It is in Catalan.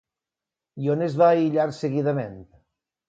I on es va aïllar seguidament?